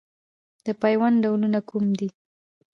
د پیوند ډولونه کوم دي؟